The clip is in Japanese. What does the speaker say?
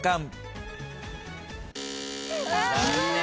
残念。